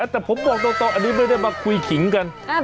แต่ผมบอกตรงอันนี้ไม่ได้มาคุยขิงกัน